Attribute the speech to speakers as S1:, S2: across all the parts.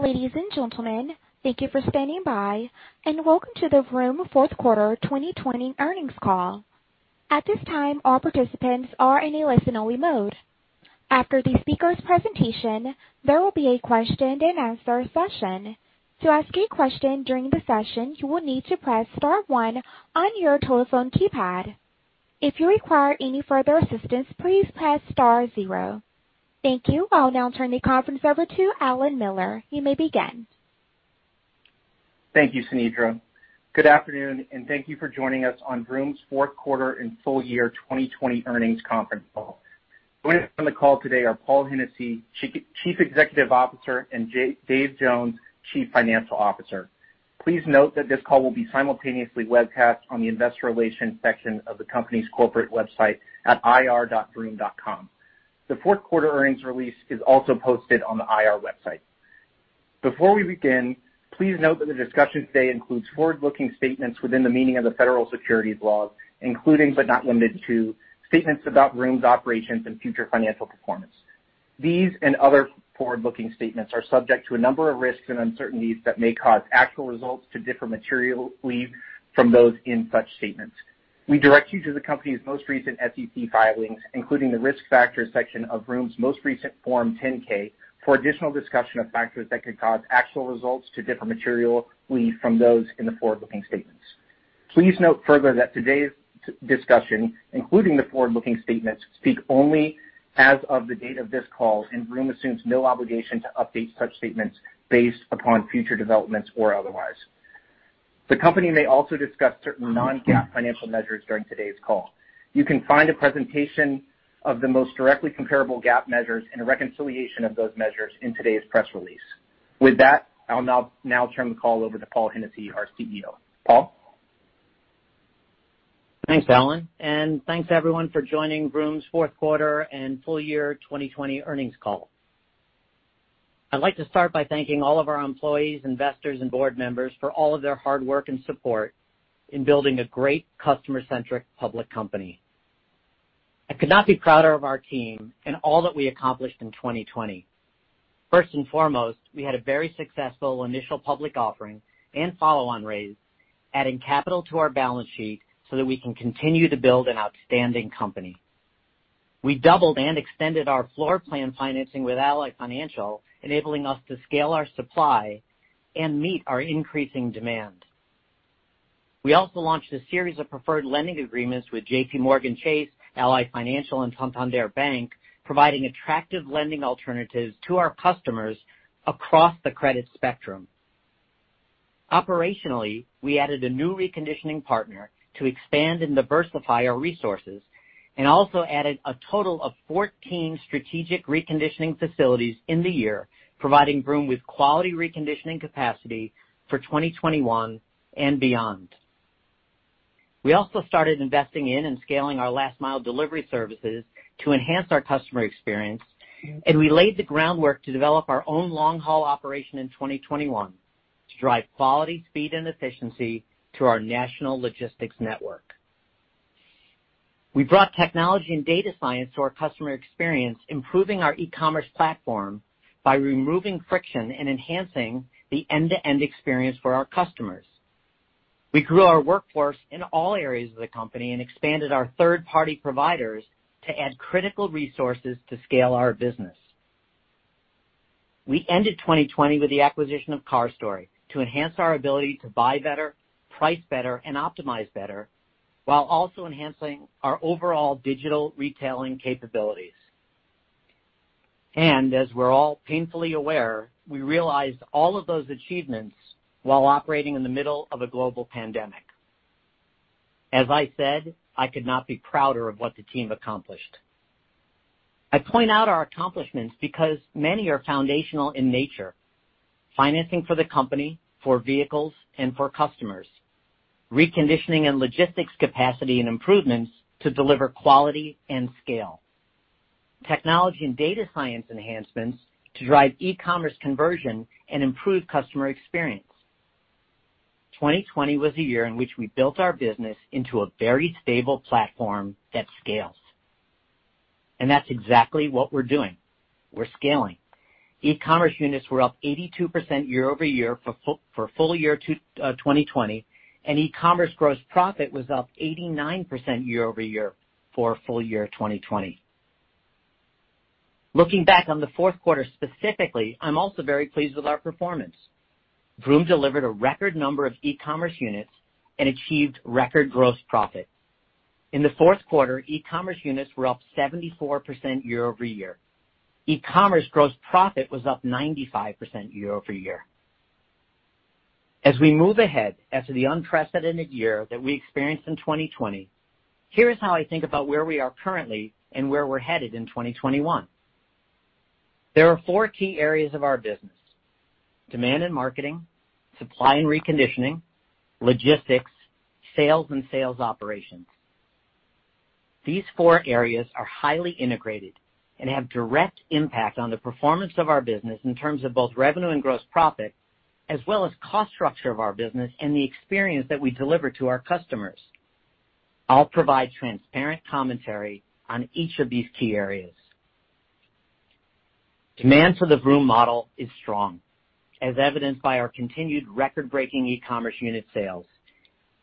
S1: Ladies and gentlemen, thank you for standing by, and welcome to the Vroom Fourth Quarter 2020 earnings call. At this time, all participants are in a listen-only mode. After the speaker's presentation, there will be a question-and-answer session. To ask a question during the session, you will need to press star one on your telephone keypad. If you require any further assistance, please press star zero. Thank you. I'll now turn the conference over to Allen Miller. You may begin.
S2: Thank you, Sanedra. Good afternoon, and thank you for joining us on Vroom's Fourth Quarter and Full Year 2020 earnings conference call. Joining us on the call today are Paul Hennessy, Chief Executive Officer, and Dave Jones, Chief Financial Officer. Please note that this call will be simultaneously webcast on the investor relations section of the company's corporate website at ir.vroom.com. The Fourth Quarter earnings release is also posted on the IR website. Before we begin, please note that the discussion today includes forward-looking statements within the meaning of the federal securities laws, including but not limited to statements about Vroom's operations and future financial performance. These and other forward-looking statements are subject to a number of risks and uncertainties that may cause actual results to differ materially from those in such statements. We direct you to the company's most recent SEC filings, including the risk factors section of Vroom's most recent Form 10-K, for additional discussion of factors that could cause actual results to differ materially from those in the forward-looking statements. Please note further that today's discussion, including the forward-looking statements, speak only as of the date of this call, and Vroom assumes no obligation to update such statements based upon future developments or otherwise. The company may also discuss certain non-GAAP financial measures during today's call. You can find a presentation of the most directly comparable GAAP measures and a reconciliation of those measures in today's press release. With that, I'll now turn the call over to Paul Hennessy, our CEO. Paul?
S3: Thanks, Allen, and thanks everyone for joining Vroom's Fourth Quarter and Full Year 2020 earnings call. I'd like to start by thanking all of our employees, investors, and board members for all of their hard work and support in building a great customer-centric public company. I could not be prouder of our team and all that we accomplished in 2020. First and foremost, we had a very successful initial public offering and follow-on raise, adding capital to our balance sheet so that we can continue to build an outstanding company. We doubled and extended our floor plan financing with Ally Financial, enabling us to scale our supply and meet our increasing demand. We also launched a series of preferred lending agreements with JPMorgan Chase, Ally Financial, and Santander Consumer USA, providing attractive lending alternatives to our customers across the credit spectrum. Operationally, we added a new reconditioning partner to expand and diversify our resources and also added a total of 14 strategic reconditioning facilities in the year, providing Vroom with quality reconditioning capacity for 2021 and beyond. We also started investing in and scaling our last-mile delivery services to enhance our customer experience, and we laid the groundwork to develop our own long-haul operation in 2021 to drive quality, speed, and efficiency to our national logistics network. We brought technology and data science to our customer experience, improving our e-commerce platform by removing friction and enhancing the end-to-end experience for our customers. We grew our workforce in all areas of the company and expanded our third-party providers to add critical resources to scale our business. We ended 2020 with the acquisition of CarStory to enhance our ability to buy better, price better, and optimize better, while also enhancing our overall digital retailing capabilities, and as we're all painfully aware, we realized all of those achievements while operating in the middle of a global pandemic. As I said, I could not be prouder of what the team accomplished. I point out our accomplishments because many are foundational in nature: financing for the company, for vehicles, and for customers. Reconditioning and logistics capacity and improvements to deliver quality and scale. Technology and data science enhancements to drive e-commerce conversion and improve customer experience. 2020 was a year in which we built our business into a very stable platform that scales, and that's exactly what we're doing. We're scaling. E-commerce units were up 82% year over year for full year 2020, and e-commerce gross profit was up 89% year over year for full year 2020. Looking back on the Fourth Quarter specifically, I'm also very pleased with our performance. Vroom delivered a record number of e-commerce units and achieved record gross profit. In the Fourth Quarter, e-commerce units were up 74% year over year. E-commerce gross profit was up 95% year over year. As we move ahead after the unprecedented year that we experienced in 2020, here is how I think about where we are currently and where we're headed in 2021. There are four key areas of our business: demand and marketing, supply and reconditioning, logistics, sales, and sales operations. These four areas are highly integrated and have direct impact on the performance of our business in terms of both revenue and gross profit, as well as cost structure of our business and the experience that we deliver to our customers. I'll provide transparent commentary on each of these key areas. Demand for the Vroom model is strong, as evidenced by our continued record-breaking e-commerce unit sales,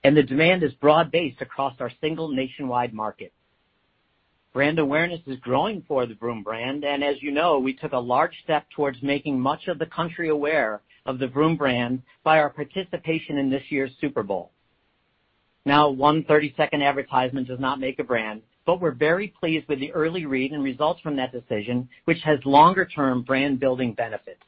S3: and the demand is broad-based across our single nationwide market. Brand awareness is growing for the Vroom brand, and as you know, we took a large step towards making much of the country aware of the Vroom brand by our participation in this year's Super Bowl. Now, one 30-second advertisement does not make a brand, but we're very pleased with the early read and results from that decision, which has longer-term brand-building benefits.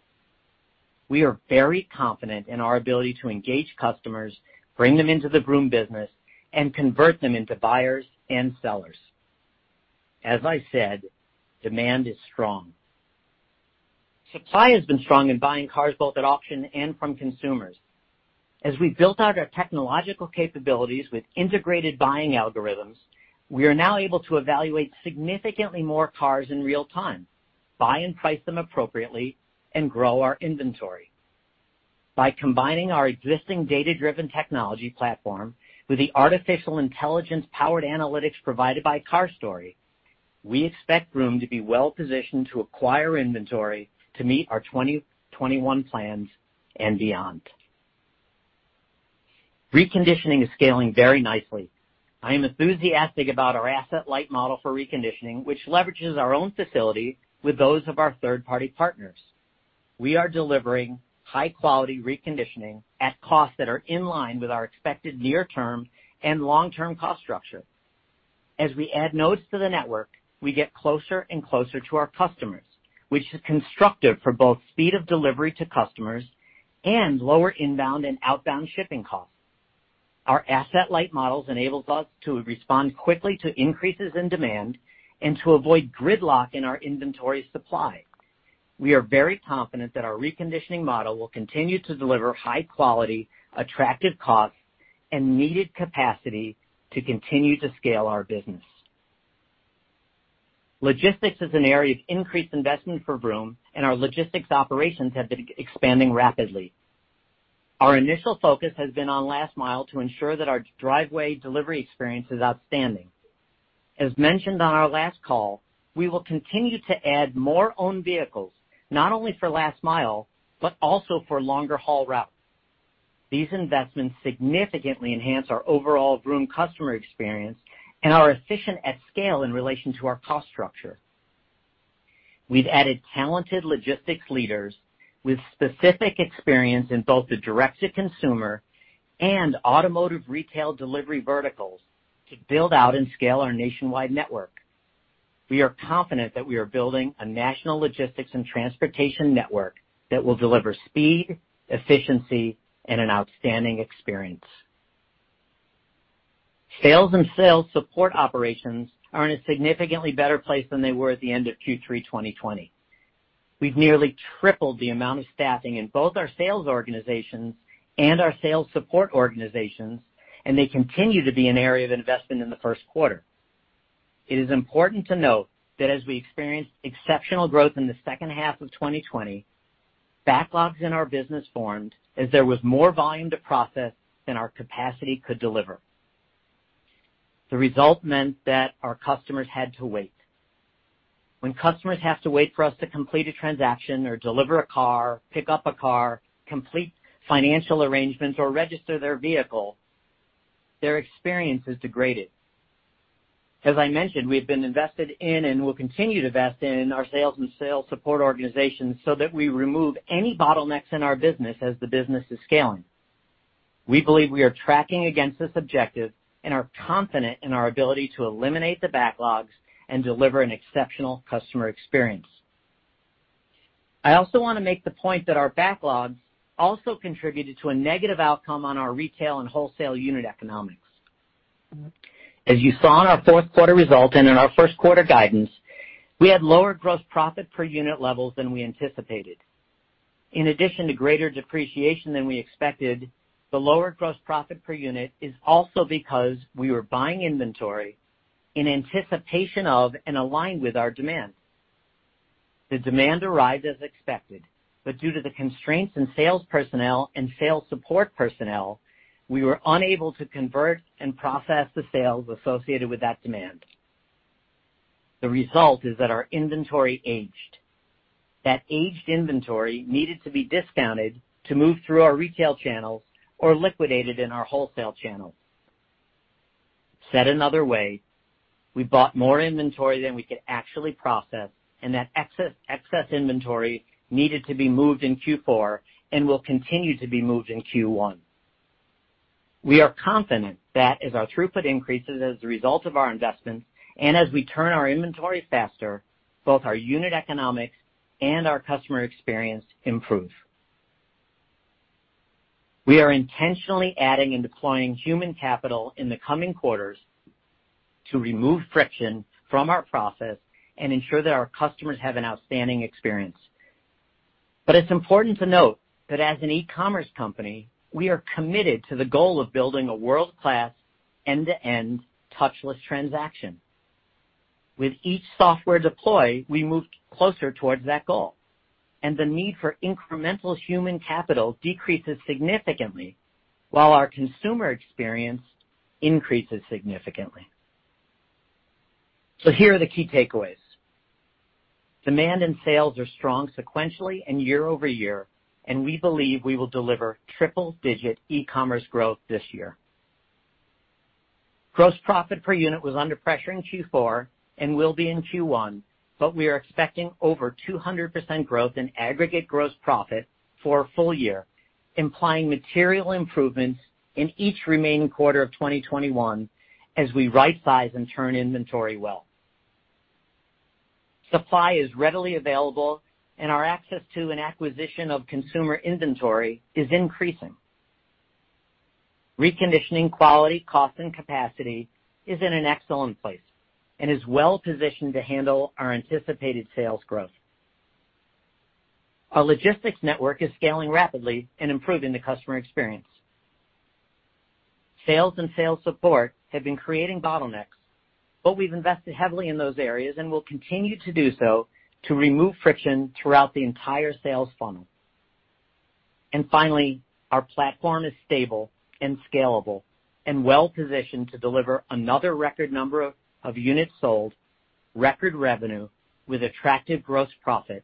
S3: We are very confident in our ability to engage customers, bring them into the Vroom business, and convert them into buyers and sellers. As I said, demand is strong. Supply has been strong in buying cars both at auction and from consumers. As we've built out our technological capabilities with integrated buying algorithms, we are now able to evaluate significantly more cars in real time, buy and price them appropriately, and grow our inventory. By combining our existing data-driven technology platform with the artificial intelligence-powered analytics provided by CarStory, we expect Vroom to be well-positioned to acquire inventory to meet our 2021 plans and beyond. Reconditioning is scaling very nicely. I am enthusiastic about our asset-light model for reconditioning, which leverages our own facility with those of our third-party partners. We are delivering high-quality reconditioning at costs that are in line with our expected near-term and long-term cost structure. As we add nodes to the network, we get closer and closer to our customers, which is constructive for both speed of delivery to customers and lower inbound and outbound shipping costs. Our asset-light models enable us to respond quickly to increases in demand and to avoid gridlock in our inventory supply. We are very confident that our reconditioning model will continue to deliver high-quality, attractive costs and needed capacity to continue to scale our business. Logistics is an area of increased investment for Vroom, and our logistics operations have been expanding rapidly. Our initial focus has been on last mile to ensure that our driveway delivery experience is outstanding. As mentioned on our last call, we will continue to add more owned vehicles, not only for last mile but also for longer-haul routes. These investments significantly enhance our overall Vroom customer experience and are efficient at scale in relation to our cost structure. We've added talented logistics leaders with specific experience in both the direct-to-consumer and automotive retail delivery verticals to build out and scale our nationwide network. We are confident that we are building a national logistics and transportation network that will deliver speed, efficiency, and an outstanding experience. Sales and sales support operations are in a significantly better place than they were at the end of Q3 2020. We've nearly tripled the amount of staffing in both our sales organizations and our sales support organizations, and they continue to be an area of investment in the first quarter. It is important to note that as we experienced exceptional growth in the second half of 2020, backlogs in our business formed as there was more volume to process than our capacity could deliver. The result meant that our customers had to wait. When customers have to wait for us to complete a transaction or deliver a car, pick up a car, complete financial arrangements, or register their vehicle, their experience is degraded. As I mentioned, we have been invested in and will continue to invest in our sales and sales support organizations so that we remove any bottlenecks in our business as the business is scaling. We believe we are tracking against this objective and are confident in our ability to eliminate the backlogs and deliver an exceptional customer experience. I also want to make the point that our backlogs also contributed to a negative outcome on our retail and wholesale unit economics. As you saw in our Fourth Quarter result and in our First Quarter guidance, we had lower gross profit per unit levels than we anticipated. In addition to greater depreciation than we expected, the lower gross profit per unit is also because we were buying inventory in anticipation of and aligned with our demand. The demand arrived as expected, but due to the constraints in sales personnel and sales support personnel, we were unable to convert and process the sales associated with that demand. The result is that our inventory aged. That aged inventory needed to be discounted to move through our retail channels or liquidated in our wholesale channels. Said another way, we bought more inventory than we could actually process, and that excess inventory needed to be moved in Q4 and will continue to be moved in Q1. We are confident that as our throughput increases as a result of our investments and as we turn our inventory faster, both our unit economics and our customer experience improve. We are intentionally adding and deploying human capital in the coming quarters to remove friction from our process and ensure that our customers have an outstanding experience. But it's important to note that as an e-commerce company, we are committed to the goal of building a world-class end-to-end touchless transaction. With each software deploy, we move closer towards that goal, and the need for incremental human capital decreases significantly while our consumer experience increases significantly. So here are the key takeaways. Demand and sales are strong sequentially and year over year, and we believe we will deliver triple-digit e-commerce growth this year. Gross profit per unit was under pressure in Q4 and will be in Q1, but we are expecting over 200% growth in aggregate gross profit for full year, implying material improvements in each remaining quarter of 2021 as we right-size and turn inventory well. Supply is readily available, and our access to and acquisition of consumer inventory is increasing. Reconditioning quality, cost, and capacity is in an excellent place and is well-positioned to handle our anticipated sales growth. Our logistics network is scaling rapidly and improving the customer experience. Sales and sales support have been creating bottlenecks, but we've invested heavily in those areas and will continue to do so to remove friction throughout the entire sales funnel. Finally, our platform is stable and scalable and well-positioned to deliver another record number of units sold, record revenue with attractive gross profit,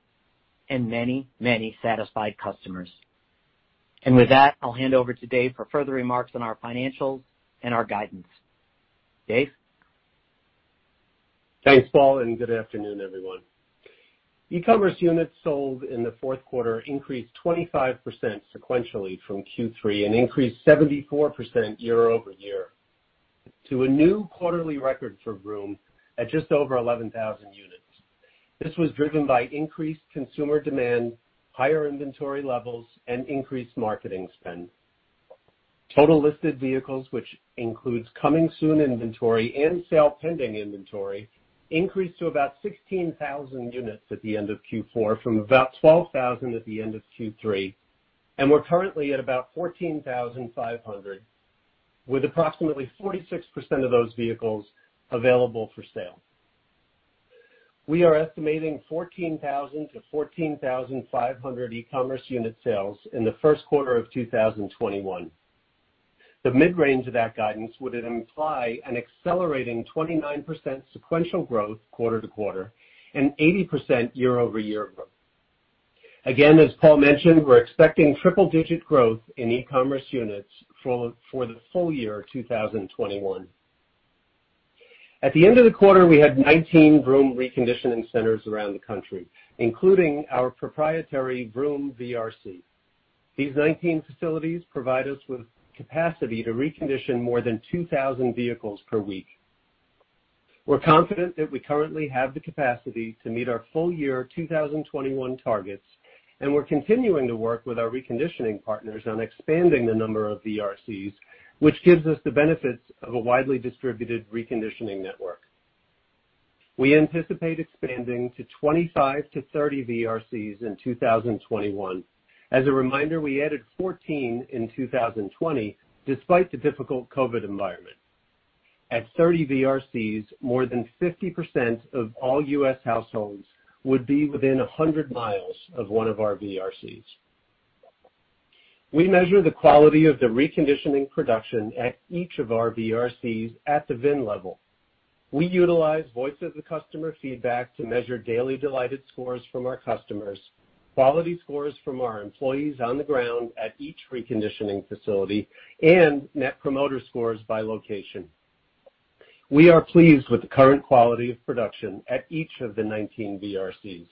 S3: and many, many satisfied customers. With that, I'll hand over to Dave for further remarks on our financials and our guidance. Dave?
S4: Thanks, Paul, and good afternoon, everyone. E-commerce units sold in the Fourth Quarter increased 25% sequentially from Q3 and increased 74% year over year to a new quarterly record for Vroom at just over 11,000 units. This was driven by increased consumer demand, higher inventory levels, and increased marketing spend. Total listed vehicles, which includes coming-soon inventory and sale-pending inventory, increased to about 16,000 units at the end of Q4 from about 12,000 at the end of Q3, and we're currently at about 14,500, with approximately 46% of those vehicles available for sale. We are estimating 14,000-14,500 e-commerce unit sales in the first quarter of 2021. The mid-range of that guidance would imply an accelerating 29% sequential growth quarter to quarter and 80% year over year growth. Again, as Paul mentioned, we're expecting triple-digit growth in e-commerce units for the full year 2021. At the end of the quarter, we had 19 Vroom reconditioning centers around the country, including our proprietary Vroom VRC. These 19 facilities provide us with capacity to recondition more than 2,000 vehicles per week. We're confident that we currently have the capacity to meet our full year 2021 targets, and we're continuing to work with our reconditioning partners on expanding the number of VRCs, which gives us the benefits of a widely distributed reconditioning network. We anticipate expanding to 25-30 VRCs in 2021. As a reminder, we added 14 in 2020 despite the difficult COVID environment. At 30 VRCs, more than 50% of all U.S. households would be within 100 miles of one of our VRCs. We measure the quality of the reconditioning production at each of our VRCs at the VIN level. We utilize voice-of-the-customer feedback to measure daily delighted scores from our customers, quality scores from our employees on the ground at each reconditioning facility, and Net Promoter Scores by location. We are pleased with the current quality of production at each of the 19 VRCs.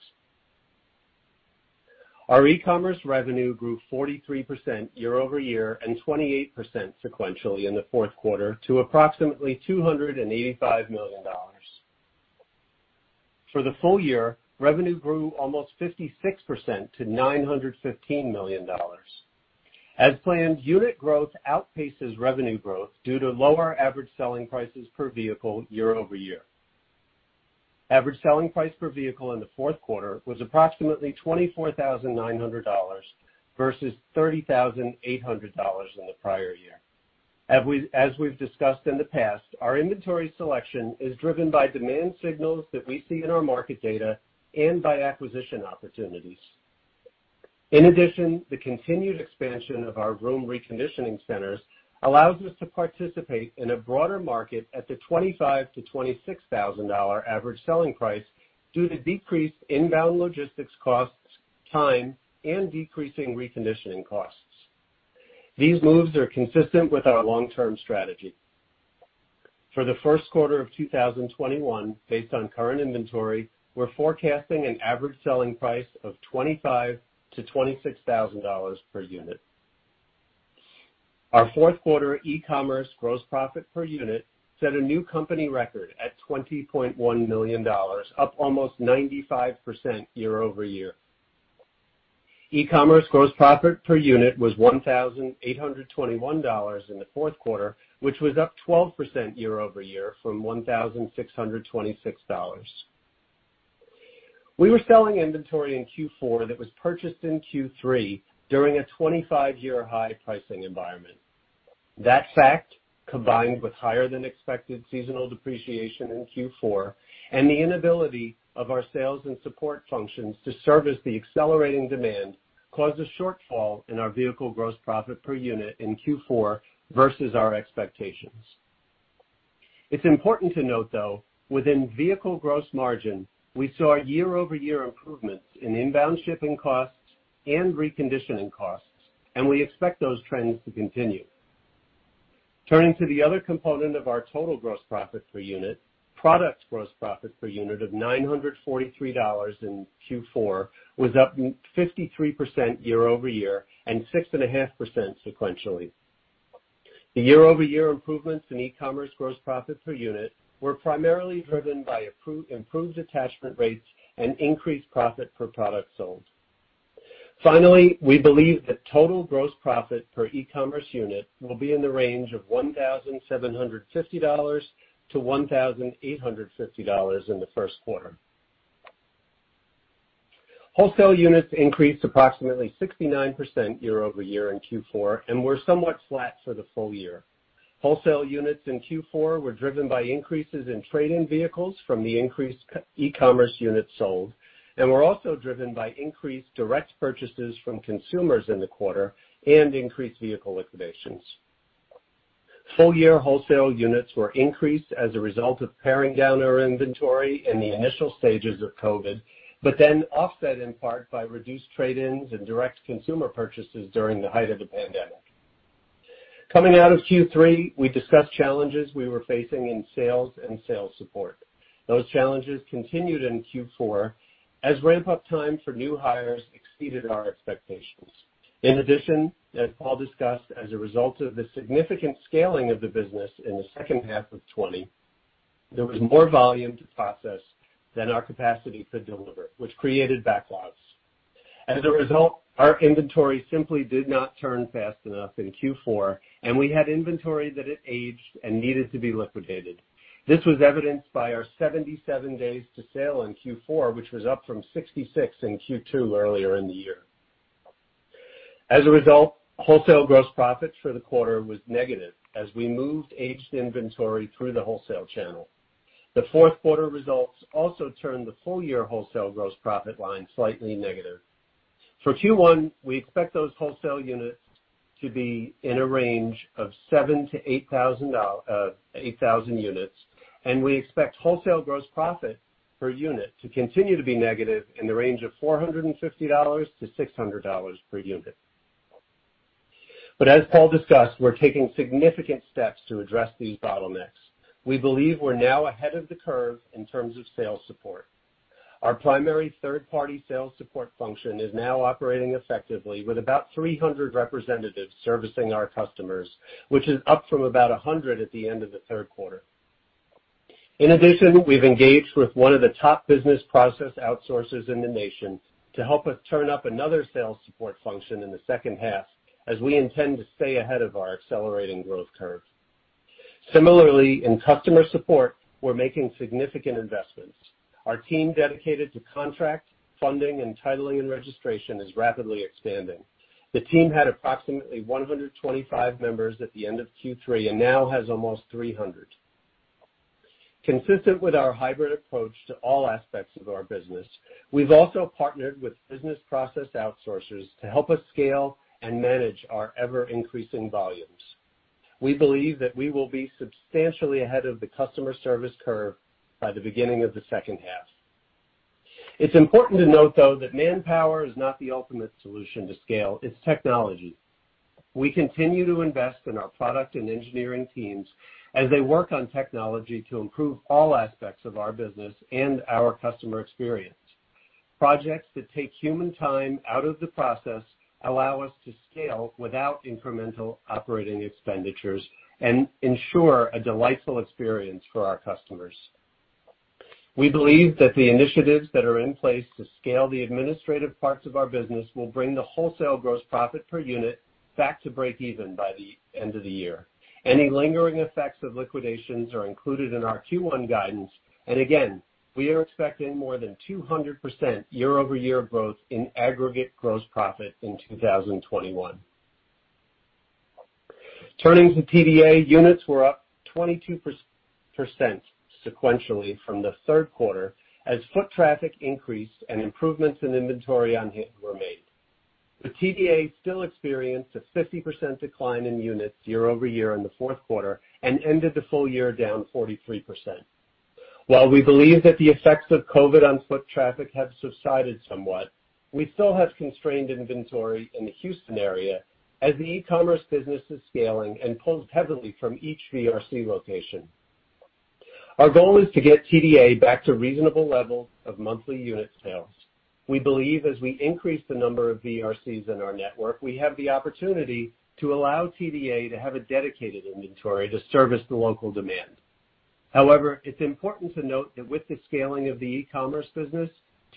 S4: Our e-commerce revenue grew 43% year over year and 28% sequentially in the Fourth Quarter to approximately $285 million. For the full year, revenue grew almost 56% to $915 million. As planned, unit growth outpaces revenue growth due to lower average selling prices per vehicle year over year. Average selling price per vehicle in the Fourth Quarter was approximately $24,900 versus $30,800 in the prior year. As we've discussed in the past, our inventory selection is driven by demand signals that we see in our market data and by acquisition opportunities. In addition, the continued expansion of our Vroom reconditioning centers allows us to participate in a broader market at the $25,000-$26,000 average selling price due to decreased inbound logistics costs, time, and decreasing reconditioning costs. These moves are consistent with our long-term strategy. For the First Quarter of 2021, based on current inventory, we're forecasting an average selling price of $25,000-$26,000 per unit. Our Fourth Quarter e-commerce gross profit per unit set a new company record at $20.1 million, up almost 95% year over year. E-commerce gross profit per unit was $1,821 in the Fourth Quarter, which was up 12% year over year from $1,626. We were selling inventory in Q4 that was purchased in Q3 during a 25-year high pricing environment. That fact, combined with higher-than-expected seasonal depreciation in Q4 and the inability of our sales and support functions to service the accelerating demand, caused a shortfall in our vehicle gross profit per unit in Q4 versus our expectations. It's important to note, though, within vehicle gross margin, we saw year-over-year improvements in inbound shipping costs and reconditioning costs, and we expect those trends to continue. Turning to the other component of our total gross profit per unit, product gross profit per unit of $943 in Q4 was up 53% year over year and 6.5% sequentially. The year-over-year improvements in e-commerce gross profit per unit were primarily driven by improved attachment rates and increased profit per product sold. Finally, we believe that total gross profit per e-commerce unit will be in the range of $1,750 to $1,850 in the first quarter. Wholesale units increased approximately 69% year over year in Q4 and were somewhat flat for the full year. Wholesale units in Q4 were driven by increases in trade-in vehicles from the increased e-commerce units sold, and were also driven by increased direct purchases from consumers in the quarter and increased vehicle liquidations. Full-year wholesale units were increased as a result of paring down our inventory in the initial stages of COVID, but then offset in part by reduced trade-ins and direct consumer purchases during the height of the pandemic. Coming out of Q3, we discussed challenges we were facing in sales and sales support. Those challenges continued in Q4 as ramp-up time for new hires exceeded our expectations. In addition, as Paul discussed, as a result of the significant scaling of the business in the second half of 2020, there was more volume to process than our capacity could deliver, which created backlogs. As a result, our inventory simply did not turn fast enough in Q4, and we had inventory that had aged and needed to be liquidated. This was evidenced by our 77 days to sale in Q4, which was up from 66 in Q2 earlier in the year. As a result, wholesale gross profit for the quarter was negative as we moved aged inventory through the wholesale channel. The Fourth Quarter results also turned the full-year wholesale gross profit line slightly negative. For Q1, we expect those wholesale units to be in a range of 7,000-8,000 units, and we expect wholesale gross profit per unit to continue to be negative in the range of $450-$600 per unit, but as Paul discussed, we're taking significant steps to address these bottlenecks. We believe we're now ahead of the curve in terms of sales support. Our primary third-party sales support function is now operating effectively with about 300 representatives servicing our customers, which is up from about 100 at the end of the third quarter. In addition, we've engaged with one of the top business process outsourcers in the nation to help us turn up another sales support function in the second half as we intend to stay ahead of our accelerating growth curve. Similarly, in customer support, we're making significant investments. Our team dedicated to contract, funding, and titling and registration is rapidly expanding. The team had approximately 125 members at the end of Q3 and now has almost 300. Consistent with our hybrid approach to all aspects of our business, we've also partnered with business process outsourcers to help us scale and manage our ever-increasing volumes. We believe that we will be substantially ahead of the customer service curve by the beginning of the second half. It's important to note, though, that manpower is not the ultimate solution to scale. It's technology. We continue to invest in our product and engineering teams as they work on technology to improve all aspects of our business and our customer experience. Projects that take human time out of the process allow us to scale without incremental operating expenditures and ensure a delightful experience for our customers. We believe that the initiatives that are in place to scale the administrative parts of our business will bring the wholesale gross profit per unit back to break-even by the end of the year. Any lingering effects of liquidations are included in our Q1 guidance, and again, we are expecting more than 200% year-over-year growth in aggregate gross profit in 2021. Turning to TDA, units were up 22% sequentially from the Third Quarter as foot traffic increased and improvements in inventory on hand were made. The TDA still experienced a 50% decline in units year-over-year in the Fourth Quarter and ended the full year down 43%. While we believe that the effects of COVID on foot traffic have subsided somewhat, we still have constrained inventory in the Houston area as the e-commerce business is scaling and pulled heavily from each VRC location. Our goal is to get TDA back to reasonable levels of monthly unit sales. We believe as we increase the number of VRCs in our network, we have the opportunity to allow TDA to have a dedicated inventory to service the local demand. However, it's important to note that with the scaling of the e-commerce business,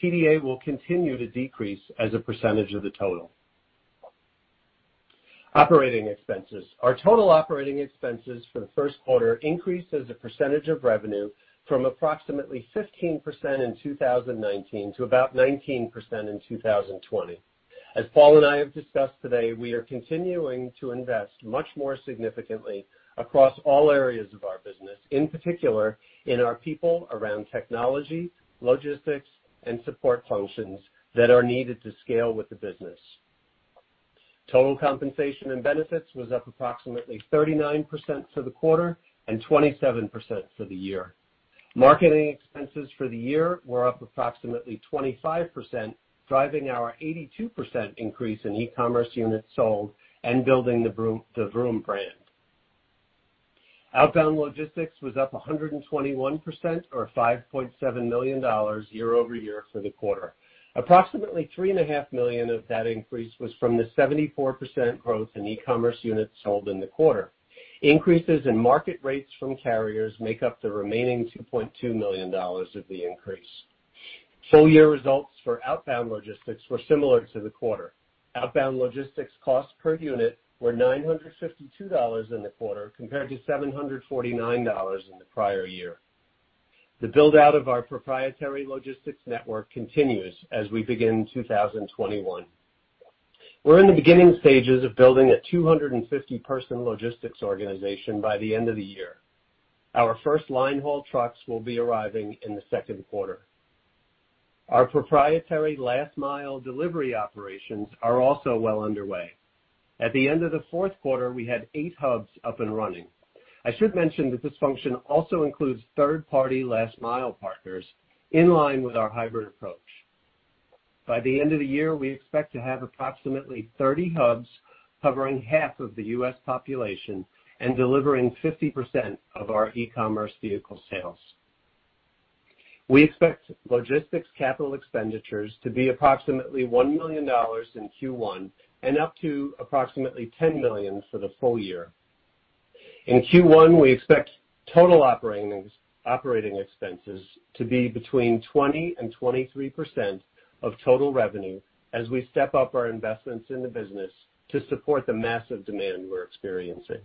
S4: TDA will continue to decrease as a percentage of the total. Operating expenses. Our total operating expenses for the First Quarter increased as a percentage of revenue from approximately 15% in 2019 to about 19% in 2020. As Paul and I have discussed today, we are continuing to invest much more significantly across all areas of our business, in particular in our people around technology, logistics, and support functions that are needed to scale with the business. Total compensation and benefits was up approximately 39% for the quarter and 27% for the year. Marketing expenses for the year were up approximately 25%, driving our 82% increase in e-commerce units sold and building the Vroom brand. Outbound logistics was up 121%, or $5.7 million year-over-year for the quarter. Approximately $3.5 million of that increase was from the 74% growth in e-commerce units sold in the quarter. Increases in market rates from carriers make up the remaining $2.2 million of the increase. Full-year results for outbound logistics were similar to the quarter. Outbound logistics cost per unit were $952 in the quarter compared to $749 in the prior year. The build-out of our proprietary logistics network continues as we begin 2021. We're in the beginning stages of building a 250-person logistics organization by the end of the year. Our first line haul trucks will be arriving in the Second Quarter. Our proprietary last-mile delivery operations are also well underway. At the end of the fourth quarter, we had eight hubs up and running. I should mention that this function also includes third-party last-mile partners in line with our hybrid approach. By the end of the year, we expect to have approximately 30 hubs covering half of the U.S. population and delivering 50% of our e-commerce vehicle sales. We expect logistics capital expenditures to be approximately $1 million in Q1 and up to approximately $10 million for the full year. In Q1, we expect total operating expenses to be between 20% and 23% of total revenue as we step up our investments in the business to support the massive demand we're experiencing.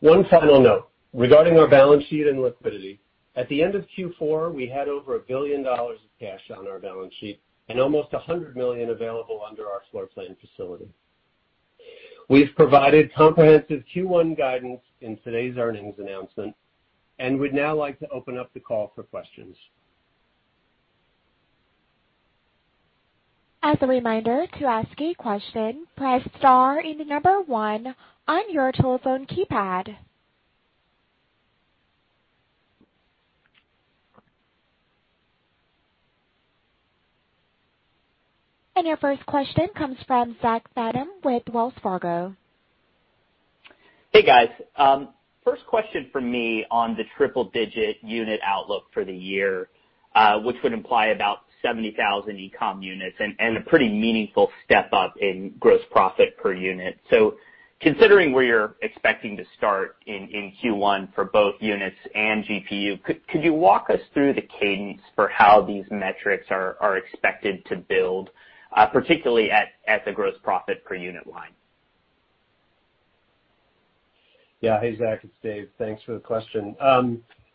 S4: One final note regarding our balance sheet and liquidity. At the end of Q4, we had over $1 billion of cash on our balance sheet and almost $100 million available under our floor plan facility. We've provided comprehensive Q1 guidance in today's earnings announcement, and we'd now like to open up the call for questions.
S1: As a reminder to ask a question, press star and the number one on your telephone keypad. And our first question comes from Zachary Fadem with Wells Fargo.
S5: Hey, guys. First question for me on the triple-digit unit outlook for the year, which would imply about 70,000 e-com units and a pretty meaningful step up in gross profit per unit. So considering where you're expecting to start in Q1 for both units and GPU, could you walk us through the cadence for how these metrics are expected to build, particularly at the gross profit per unit line?
S4: Yeah. Hey, Zach. It's Dave. Thanks for the question.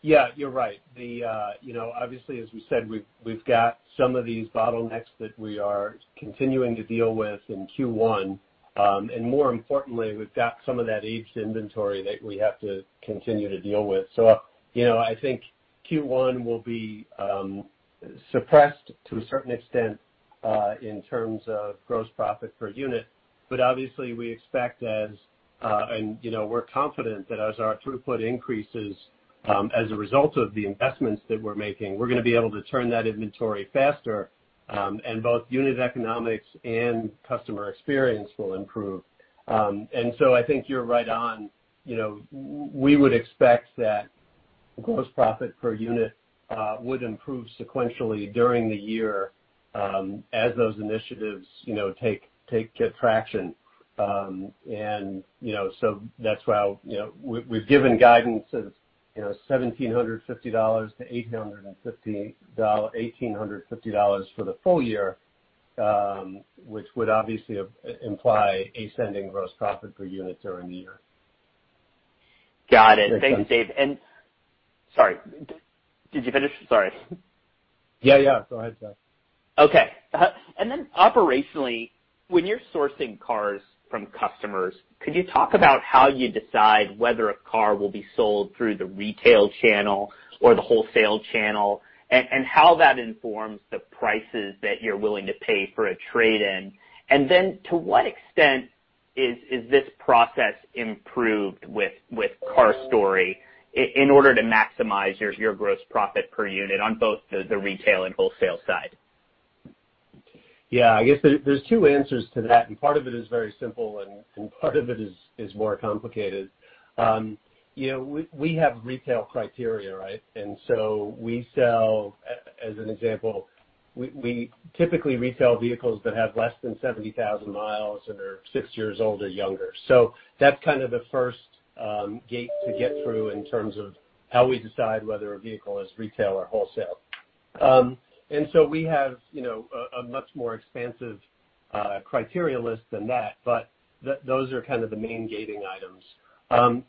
S4: Yeah, you're right. Obviously, as we said, we've got some of these bottlenecks that we are continuing to deal with in Q1. And more importantly, we've got some of that aged inventory that we have to continue to deal with. So I think Q1 will be suppressed to a certain extent in terms of gross profit per unit. But obviously, we expect, and we're confident that as our throughput increases as a result of the investments that we're making, we're going to be able to turn that inventory faster, and both unit economics and customer experience will improve. And so I think you're right on. We would expect that gross profit per unit would improve sequentially during the year as those initiatives get traction. That's why we've given guidance of $1,750-$1,850 for the full year, which would obviously imply ascending gross profit per unit during the year.
S5: Got it. Thanks, Dave.
S4: And sorry, did you finish? Sorry. Yeah, yeah. Go ahead, Zach.
S5: Okay. And then operationally, when you're sourcing cars from customers, could you talk about how you decide whether a car will be sold through the retail channel or the wholesale channel and how that informs the prices that you're willing to pay for a trade-in? And then to what extent is this process improved with CarStory in order to maximize your gross profit per unit on both the retail and wholesale side?
S4: Yeah. I guess there's two answers to that. And part of it is very simple, and part of it is more complicated. We have retail criteria, right? And so we sell, as an example, we typically retail vehicles that have less than 70,000 miles and are six years old or younger. So that's kind of the first gate to get through in terms of how we decide whether a vehicle is retail or wholesale. And so we have a much more expansive criteria list than that, but those are kind of the main gating items.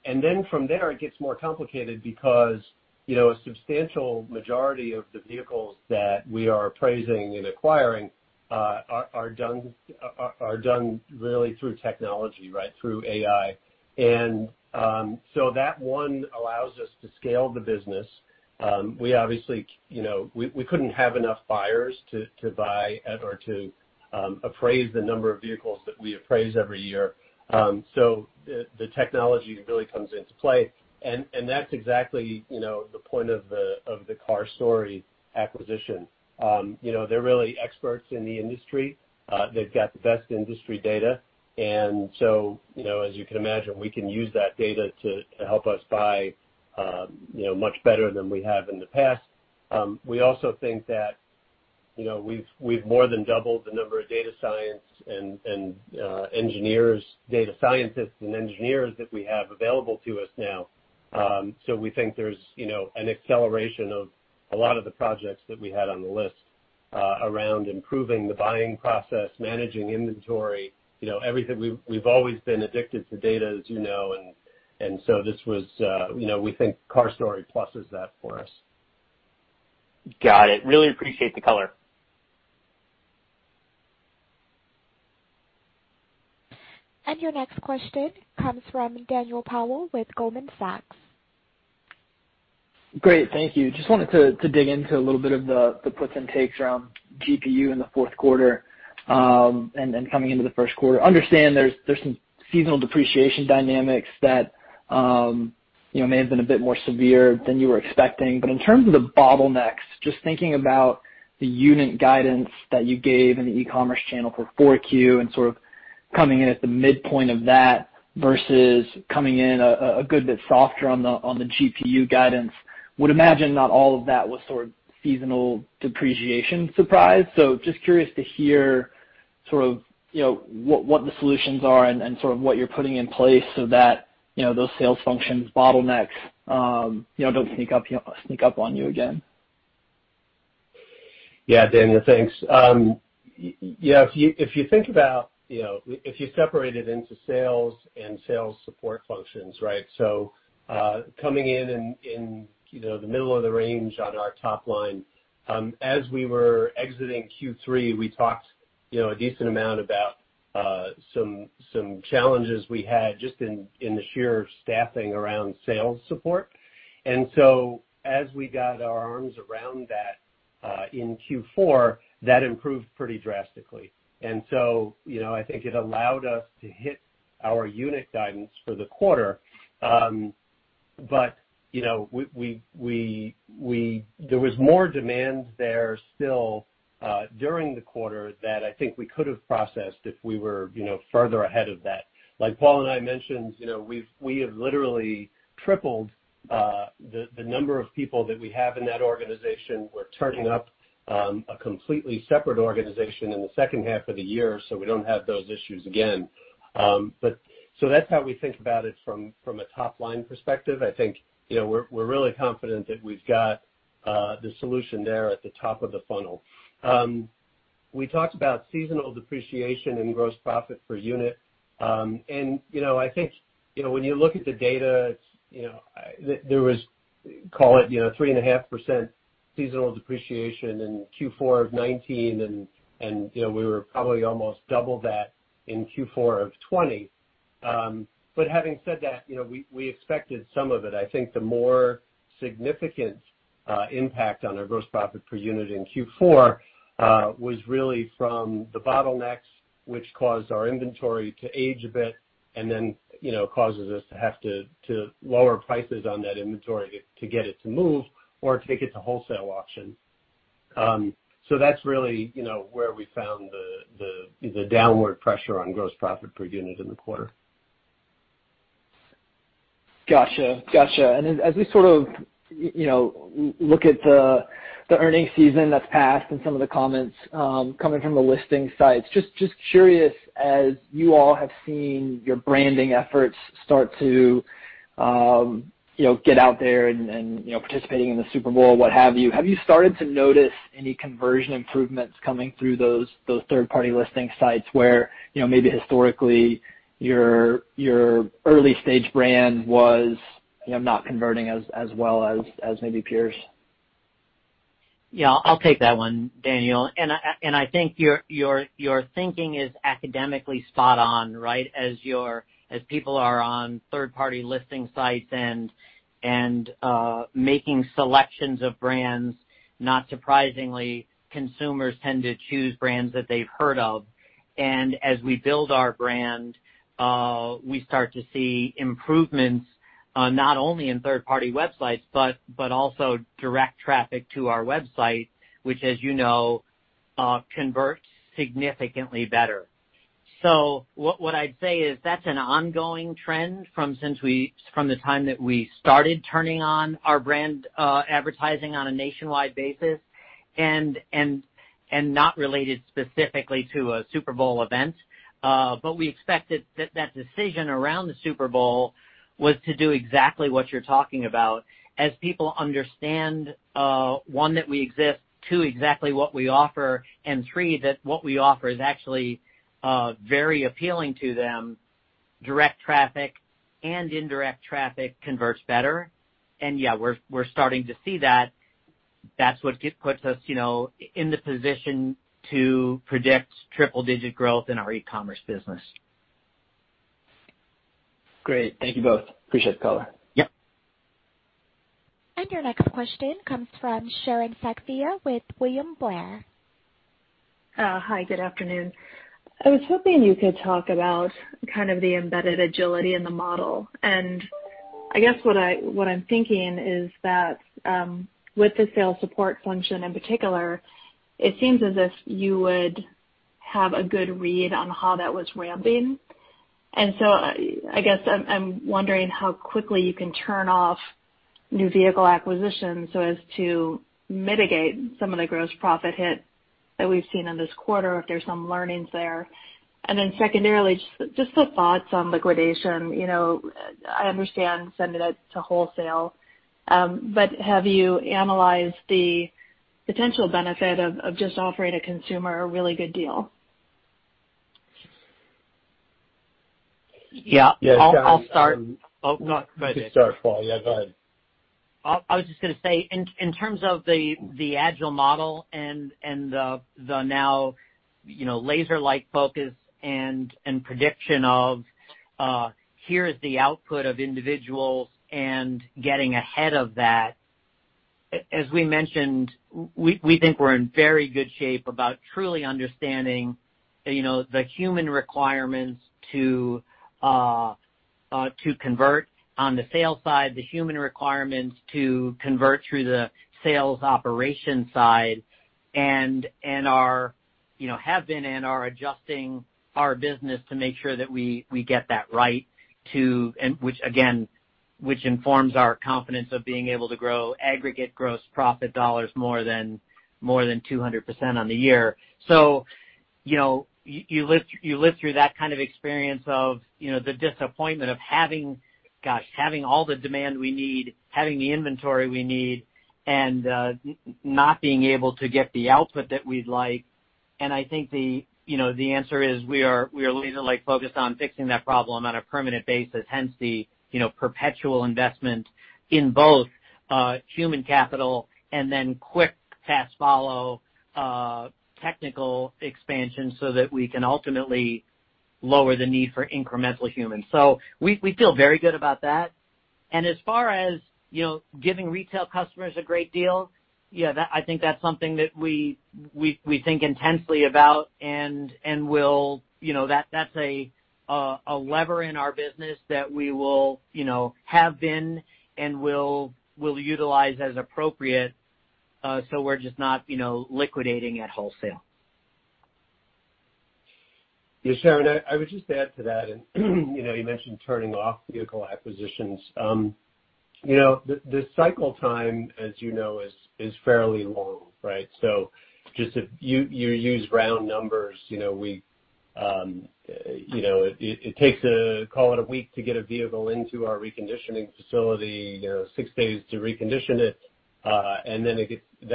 S4: And then from there, it gets more complicated because a substantial majority of the vehicles that we are appraising and acquiring are done really through technology, right, through AI. And so that one allows us to scale the business. We obviously couldn't have enough buyers to buy or to appraise the number of vehicles that we appraise every year. So the technology really comes into play. And that's exactly the point of the CarStory acquisition. They're really experts in the industry. They've got the best industry data. And so as you can imagine, we can use that data to help us buy much better than we have in the past. We also think that we've more than doubled the number of data science and engineers, data scientists and engineers that we have available to us now. So we think there's an acceleration of a lot of the projects that we had on the list around improving the buying process, managing inventory, everything. We've always been addicted to data, as you know. And so this was, we think, CarStory pluses that for us.
S5: Got it. Really appreciate the color.
S1: Your next question comes from Daniel Powell with Goldman Sachs.
S6: Great. Thank you. Just wanted to dig into a little bit of the puts and takes around GPU in the Fourth Quarter and coming into the First Quarter. Understand there's some seasonal depreciation dynamics that may have been a bit more severe than you were expecting. But in terms of the bottlenecks, just thinking about the unit guidance that you gave in the e-commerce channel for 4Q and sort of coming in at the midpoint of that versus coming in a good bit softer on the GPU guidance, would imagine not all of that was sort of seasonal depreciation surprise. So just curious to hear sort of what the solutions are and sort of what you're putting in place so that those sales functions, bottlenecks don't sneak up on you again.
S4: Yeah, Daniel, thanks. Yeah. If you think about if you separate it into sales and sales support functions, right? So coming in in the middle of the range on our top line, as we were exiting Q3, we talked a decent amount about some challenges we had just in the sheer staffing around sales support. And so as we got our arms around that in Q4, that improved pretty drastically. And so I think it allowed us to hit our unit guidance for the quarter. But there was more demand there still during the quarter that I think we could have processed if we were further ahead of that. Like Paul and I mentioned, we have literally tripled the number of people that we have in that organization. We're turning up a completely separate organization in the second half of the year, so we don't have those issues again. So that's how we think about it from a top-line perspective. I think we're really confident that we've got the solution there at the top of the funnel. We talked about seasonal depreciation and gross profit per unit. And I think when you look at the data, there was, call it, 3.5% seasonal depreciation in Q4 of 2019, and we were probably almost double that in Q4 of 2020. But having said that, we expected some of it. I think the more significant impact on our gross profit per unit in Q4 was really from the bottlenecks, which caused our inventory to age a bit and then causes us to have to lower prices on that inventory to get it to move or take it to wholesale auction. So that's really where we found the downward pressure on gross profit per unit in the quarter.
S6: Gotcha. Gotcha. And as we sort of look at the earnings season that's passed and some of the comments coming from the listing sites, just curious, as you all have seen your branding efforts start to get out there and participating in the Super Bowl, what have you, have you started to notice any conversion improvements coming through those third-party listing sites where maybe historically your early-stage brand was not converting as well as maybe peers?
S3: Yeah. I'll take that one, Daniel. And I think your thinking is academically spot on, right? As people are on third-party listing sites and making selections of brands, not surprisingly, consumers tend to choose brands that they've heard of. And as we build our brand, we start to see improvements not only in third-party websites, but also direct traffic to our website, which, as you know, converts significantly better. So what I'd say is that's an ongoing trend from the time that we started turning on our brand advertising on a nationwide basis and not related specifically to a Super Bowl event. But we expected that that decision around the Super Bowl was to do exactly what you're talking about, as people understand, one, that we exist, two, exactly what we offer, and three, that what we offer is actually very appealing to them. Direct traffic and indirect traffic converts better. And yeah, we're starting to see that. That's what puts us in the position to predict triple-digit growth in our e-commerce business.
S6: Great. Thank you both. Appreciate the color.
S3: Yep.
S1: Your next question comes from Sharon Zackfia with William Blair.
S7: Hi. Good afternoon. I was hoping you could talk about kind of the embedded agility in the model. And I guess what I'm thinking is that with the sales support function in particular, it seems as if you would have a good read on how that was ramping. And so I guess I'm wondering how quickly you can turn off new vehicle acquisitions so as to mitigate some of the gross profit hit that we've seen in this quarter, if there's some learnings there. And then secondarily, just the thoughts on liquidation. I understand sending it to wholesale, but have you analyzed the potential benefit of just offering a consumer a really good deal?
S3: Yeah. I'll start.
S4: Oh, go ahead, Paul. Yeah, go ahead.
S3: I was just going to say, in terms of the agile model and the now laser-like focus and prediction of, "Here is the output of individuals," and getting ahead of that, as we mentioned, we think we're in very good shape about truly understanding the human requirements to convert on the sales side, the human requirements to convert through the sales operation side, and have been and are adjusting our business to make sure that we get that right, which, again, informs our confidence of being able to grow aggregate gross profit dollars more than 200% on the year. So you live through that kind of experience of the disappointment of, gosh, having all the demand we need, having the inventory we need, and not being able to get the output that we'd like. And I think the answer is we are laser-like focused on fixing that problem on a permanent basis, hence the perpetual investment in both human capital and then quick fast follow technical expansion so that we can ultimately lower the need for incremental human. So we feel very good about that. And as far as giving retail customers a great deal, yeah, I think that's something that we think intensely about. And that's a lever in our business that we will have been and will utilize as appropriate. So we're just not liquidating at wholesale.
S4: Yeah. Sharon, I would just add to that. And you mentioned turning off vehicle acquisitions. The cycle time, as you know, is fairly long, right? So just if you use round numbers, it takes, call it, a week to get a vehicle into our reconditioning facility, six days to recondition it, and then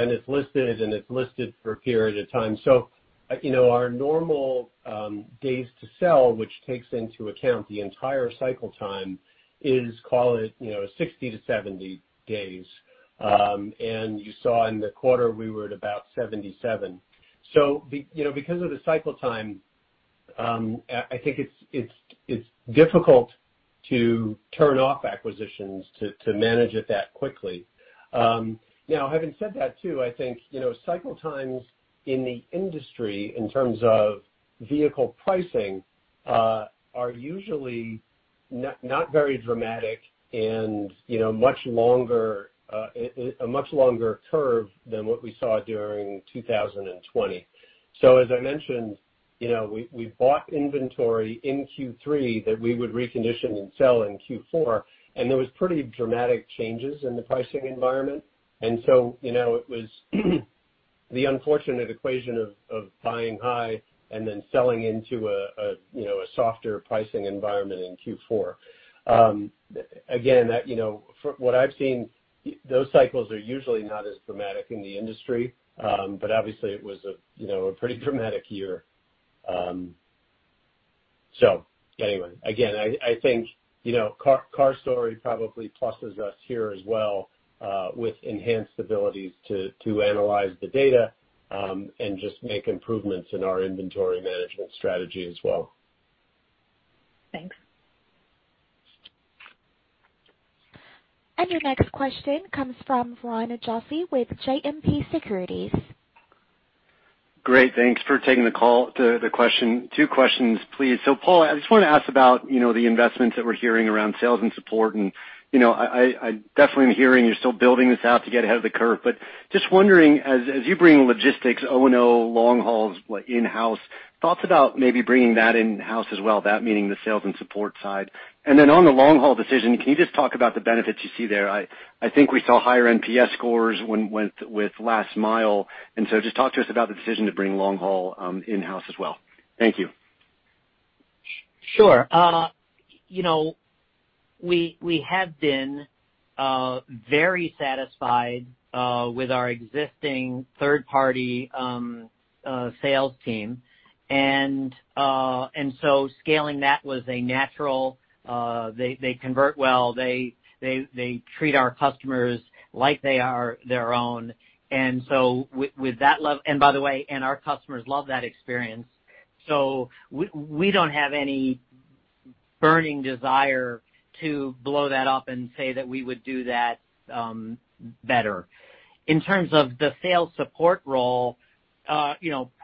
S4: it's listed, and it's listed for a period of time. So our normal days to sell, which takes into account the entire cycle time, is, call it, 60-70 days. And you saw in the quarter, we were at about 77. So because of the cycle time, I think it's difficult to turn off acquisitions to manage it that quickly. Now, having said that too, I think cycle times in the industry in terms of vehicle pricing are usually not very dramatic and a much longer curve than what we saw during 2020. So as I mentioned, we bought inventory in Q3 that we would recondition and sell in Q4, and there were pretty dramatic changes in the pricing environment. And so it was the unfortunate equation of buying high and then selling into a softer pricing environment in Q4. Again, what I've seen, those cycles are usually not as dramatic in the industry, but obviously, it was a pretty dramatic year. So anyway, again, I think CarStory probably pluses us here as well with enhanced abilities to analyze the data and just make improvements in our inventory management strategy as well.
S7: Thanks.
S1: Your next question comes from Ron Josey with JMP Securities.
S8: Great. Thanks for taking the call to the question. Two questions, please. So Paul, I just want to ask about the investments that we're hearing around sales and support. And I definitely am hearing you're still building this out to get ahead of the curve. But just wondering, as you bring logistics, O&O, line hauls, in-house, thoughts about maybe bringing that in-house as well, that meaning the sales and support side. And then on the line haul decision, can you just talk about the benefits you see there? I think we saw higher NPS scores with last mile. And so just talk to us about the decision to bring line haul in-house as well. Thank you.
S3: Sure. We have been very satisfied with our existing third-party sales team. And so scaling that was a natural. They convert well. They treat our customers like they are their own. And so with that level and by the way, our customers love that experience. So we don't have any burning desire to blow that up and say that we would do that better. In terms of the sales support role,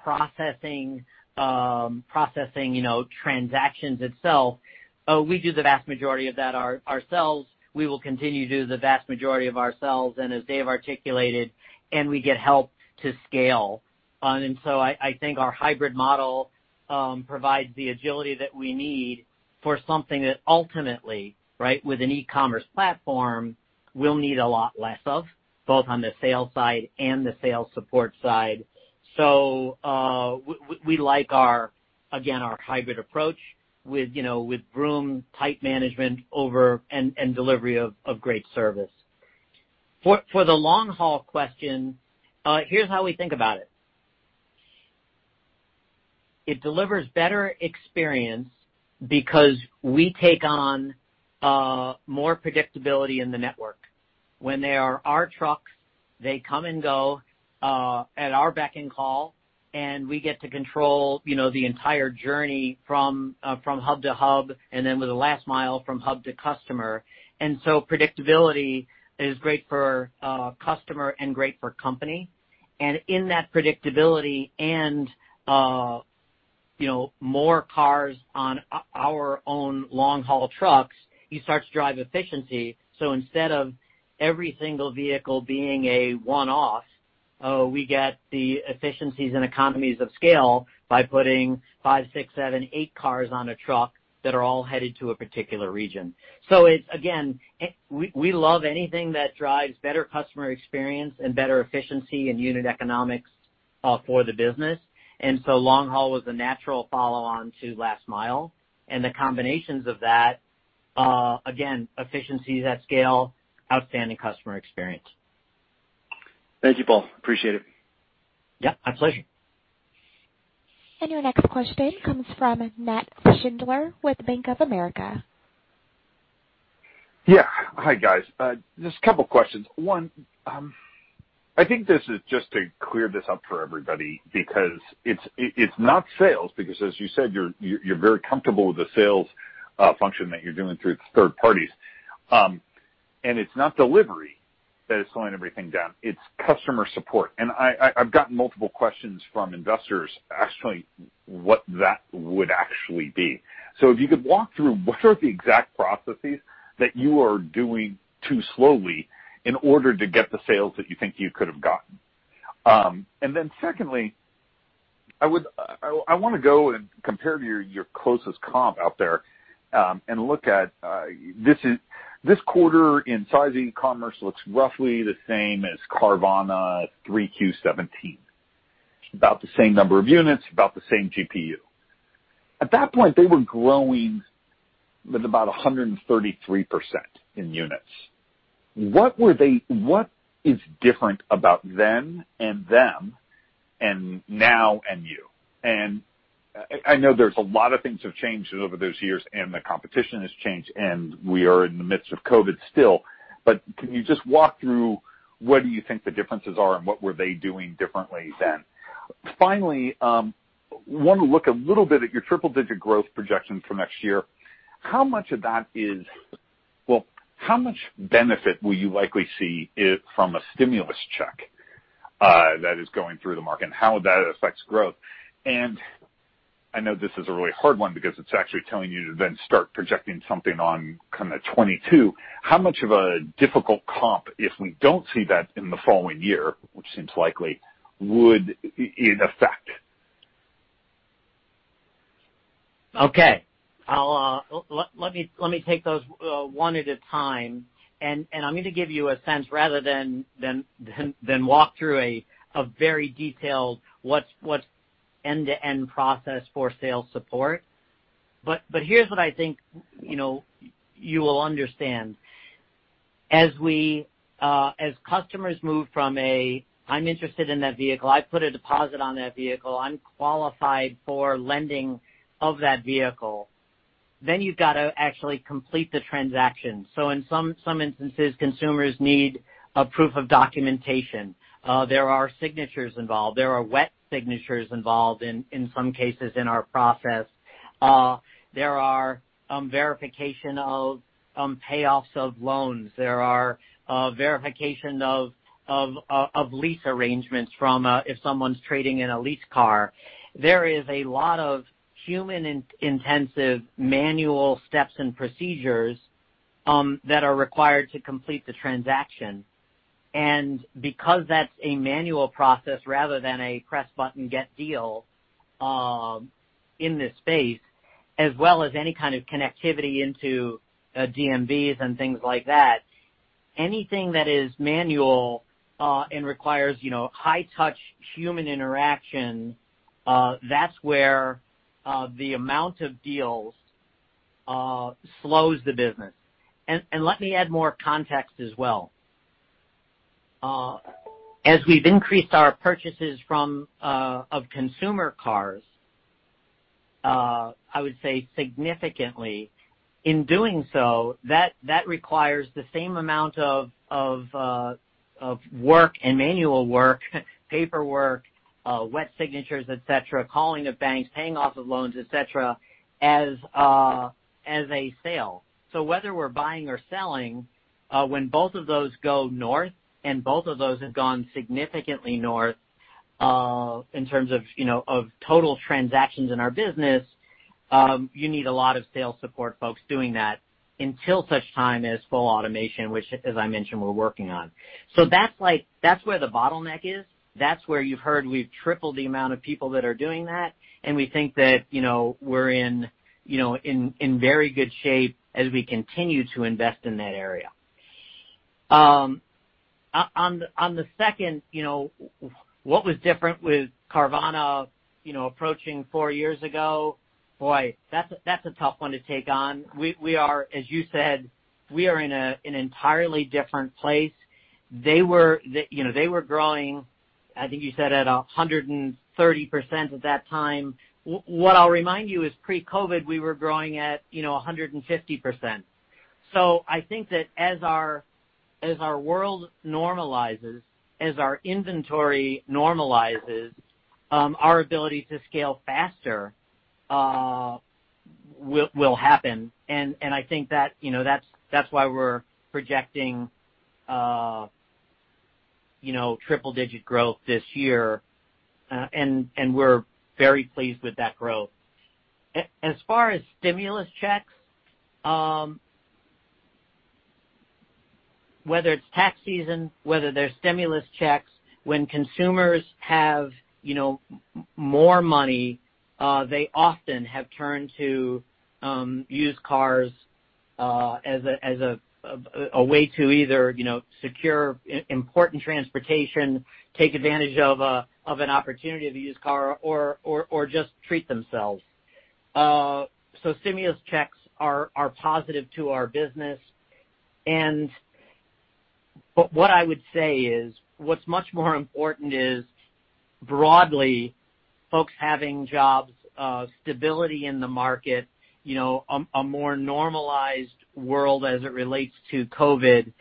S3: processing transactions itself, we do the vast majority of that ourselves. We will continue to do the vast majority of ourselves, and as Dave articulated, and we get help to scale. And so I think our hybrid model provides the agility that we need for something that ultimately, right, with an e-commerce platform, we'll need a lot less of, both on the sales side and the sales support side. So we like, again, our hybrid approach with Vroom-type management and delivery of great service. For the long haul question, here's how we think about it. It delivers better experience because we take on more predictability in the network. When there are our trucks, they come and go at our beck and call, and we get to control the entire journey from hub to hub and then with a last mile from hub to customer. And so predictability is great for customer and great for company. And in that predictability and more cars on our own long haul trucks, you start to drive efficiency. So instead of every single vehicle being a one-off, we get the efficiencies and economies of scale by putting five, six, seven, eight cars on a truck that are all headed to a particular region. So again, we love anything that drives better customer experience and better efficiency and unit economics for the business. And so line haul was a natural follow-on to last-mile. And the combinations of that, again, efficiencies at scale, outstanding customer experience.
S8: Thank you, Paul. Appreciate it.
S3: Yep. My pleasure.
S1: Your next question comes from Nat Schindler with Bank of America.
S9: Yeah. Hi, guys. Just a couple of questions. One, I think this is just to clear this up for everybody because it's not sales because, as you said, you're very comfortable with the sales function that you're doing through third parties. And it's not delivery that is slowing everything down. It's customer support. And I've gotten multiple questions from investors, actually, what that would actually be. So if you could walk through what are the exact processes that you are doing too slowly in order to get the sales that you think you could have gotten. And then secondly, I want to go and compare to your closest comp out there and look at this quarter in size e-commerce looks roughly the same as Carvana 3Q17, about the same number of units, about the same GPU. At that point, they were growing with about 133% in units. What is different about then and them and now and you? And I know there's a lot of things have changed over those years, and the competition has changed, and we are in the midst of COVID still. But can you just walk through what do you think the differences are and what were they doing differently then? Finally, I want to look a little bit at your triple-digit growth projection for next year. How much of that is, well, how much benefit will you likely see from a stimulus check that is going through the market, and how would that affect growth? And I know this is a really hard one because it's actually telling you to then start projecting something on kind of 2022. How much of a difficult comp, if we don't see that in the following year, which seems likely, would it affect?
S3: Okay. Let me take those one at a time. And I'm going to give you a sense rather than walk through a very detailed what's end-to-end process for sales support. But here's what I think you will understand. As customers move from a, "I'm interested in that vehicle. I put a deposit on that vehicle. I'm qualified for lending of that vehicle," then you've got to actually complete the transaction. So in some instances, consumers need a proof of documentation. There are signatures involved. There are wet signatures involved in some cases in our process. There are verification of payoffs of loans. There are verification of lease arrangements from if someone's trading in a lease car. There is a lot of human-intensive manual steps and procedures that are required to complete the transaction. Because that's a manual process rather than a press-button-get-deal in this space, as well as any kind of connectivity into DMVs and things like that, anything that is manual and requires high-touch human interaction, that's where the amount of deals slows the business. Let me add more context as well. As we've increased our purchases of consumer cars, I would say significantly, in doing so, that requires the same amount of work and manual work, paperwork, wet signatures, etc., calling of banks, paying off of loans, etc., as a sale. Whether we're buying or selling, when both of those go north and both of those have gone significantly north in terms of total transactions in our business, you need a lot of sales support folks doing that until such time as full automation, which, as I mentioned, we're working on. That's where the bottleneck is. That's where you've heard we've tripled the amount of people that are doing that. And we think that we're in very good shape as we continue to invest in that area. On the second, what was different with Carvana approaching four years ago? Boy, that's a tough one to take on. As you said, we are in an entirely different place. They were growing, I think you said, at 130% at that time. What I'll remind you is pre-COVID, we were growing at 150%. So I think that as our world normalizes, as our inventory normalizes, our ability to scale faster will happen. And I think that that's why we're projecting triple-digit growth this year. And we're very pleased with that growth. As far as stimulus checks, whether it's tax season, whether there's stimulus checks, when consumers have more money, they often have turned to used cars as a way to either secure important transportation, take advantage of an opportunity to used car, or just treat themselves. So stimulus checks are positive to our business. And what I would say is what's much more important is broadly folks having jobs, stability in the market, a more normalized world as it relates to COVID.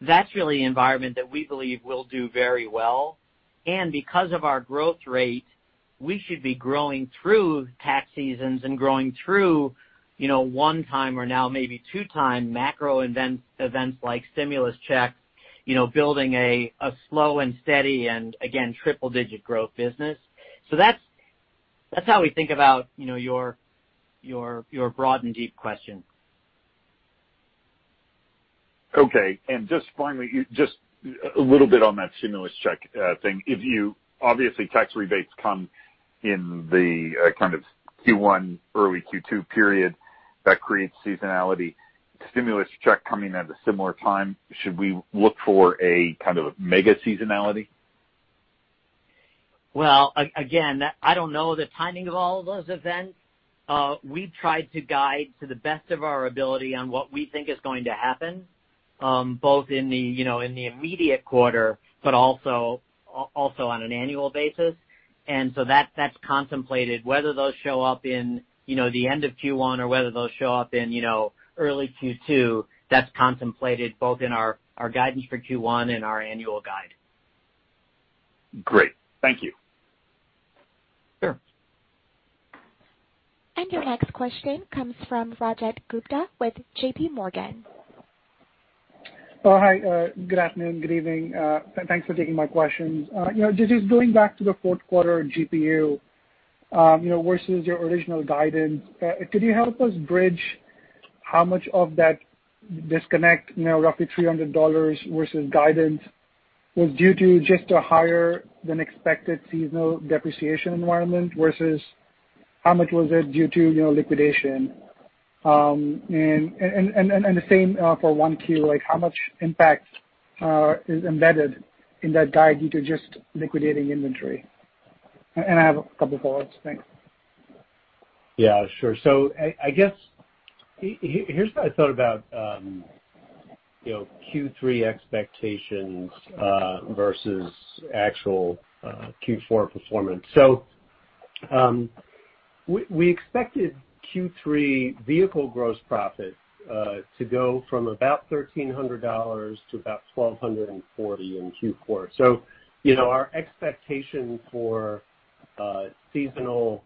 S3: That's really an environment that we believe will do very well. And because of our growth rate, we should be growing through tax seasons and growing through one-time or now maybe two-time macro events like stimulus checks, building a slow and steady and, again, triple-digit growth business. So that's how we think about your broad and deep question.
S9: Okay. And just finally, just a little bit on that stimulus check thing. Obviously, tax rebates come in the kind of Q1, early Q2 period that creates seasonality. Stimulus check coming at a similar time. Should we look for a kind of mega seasonality?
S3: Well, again, I don't know the timing of all of those events. We've tried to guide to the best of our ability on what we think is going to happen, both in the immediate quarter but also on an annual basis. And so that's contemplated. Whether those show up in the end of Q1 or whether those show up in early Q2, that's contemplated both in our guidance for Q1 and our annual guide.
S9: Great. Thank you.
S3: Sure.
S1: Your next question comes from Rajat Gupta with JPMorgan.
S10: Hi. Good afternoon. Good evening. Thanks for taking my questions. Just going back to the fourth quarter GPU versus your original guidance, could you help us bridge how much of that disconnect, roughly $300 versus guidance, was due to just a higher-than-expected seasonal depreciation environment versus how much was it due to liquidation? And the same for 1Q. How much impact is embedded in that guide due to just liquidating inventory? And I have a couple of follow-ups. Thanks.
S4: Yeah. Sure. So I guess here's how I thought about Q3 expectations versus actual Q4 performance. So we expected Q3 vehicle gross profit to go from about $1,300 to about $1,240 in Q4. So our expectation for seasonal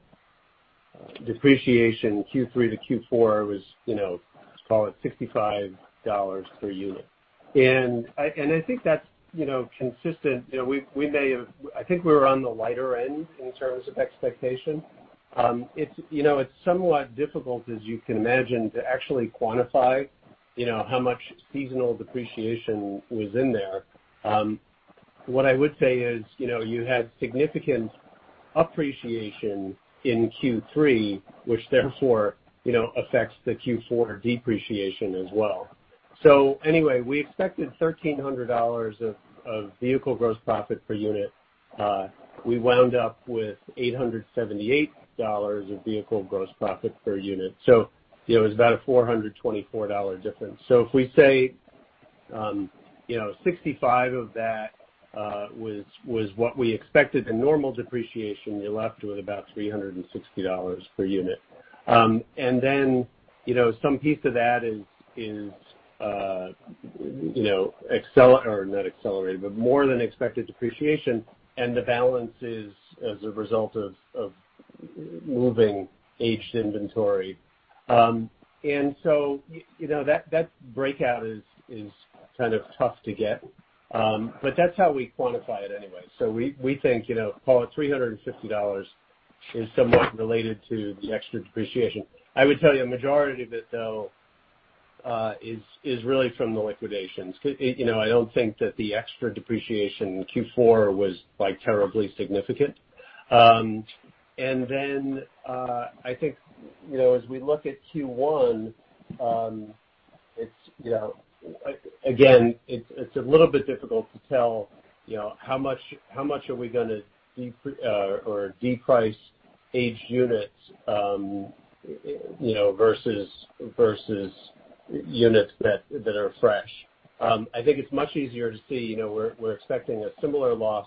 S4: depreciation Q3 to Q4 was, call it $65 per unit. And I think that's consistent. We may have, I think we were on the lighter end in terms of expectation. It's somewhat difficult, as you can imagine, to actually quantify how much seasonal depreciation was in there. What I would say is you had significant appreciation in Q3, which therefore affects the Q4 depreciation as well. So anyway, we expected $1,300 of vehicle gross profit per unit. We wound up with $878 of vehicle gross profit per unit. So it was about a $424 difference. So if we say $65 of that was what we expected the normal depreciation, you're left with about $360 per unit. And then some piece of that is, or not accelerated, but more than expected depreciation. And the balance is as a result of moving aged inventory. And so that breakout is kind of tough to get. But that's how we quantify it anyway. So we think, call it $350, is somewhat related to the extra depreciation. I would tell you a majority of it, though, is really from the liquidations. I don't think that the extra depreciation in Q4 was terribly significant. And then I think as we look at Q1, again, it's a little bit difficult to tell how much are we going to deprice aged units versus units that are fresh. I think it's much easier to see we're expecting a similar loss